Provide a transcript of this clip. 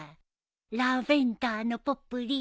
ラベンダーのポプリ。